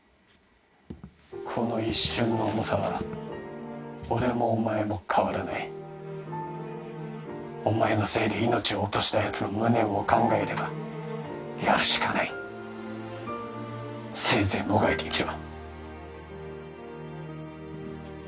この一瞬の重さは俺もお前も変わらないお前のせいで命を落としたやつの無念を考えればやるしかないせいぜいもがいて生きろ